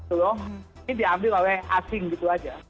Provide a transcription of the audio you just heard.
ini diambil oleh asing begitu saja